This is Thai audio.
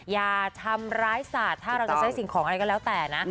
อย่าทำร้ายศาสตร์ถ้าเราจะใช้สิ่งของอะไรก็แล้วแต่นะ